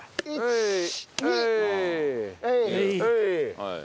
はい。